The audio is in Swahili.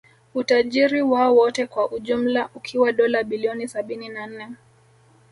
Utajiri wao wote kwa ujumla ukiwa dola bilioni sabini na nne